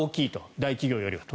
大企業よりは。